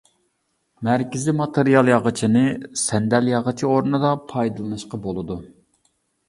مەركىزىي ماتېرىيال ياغىچىنى سەندەل ياغىچى ئورنىدا پايدىلىنىشقا بولىدۇ.